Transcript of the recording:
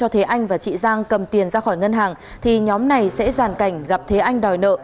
thế anh và chị giang cầm tiền ra khỏi ngân hàng thì nhóm này sẽ giàn cảnh gặp thế anh đòi nợ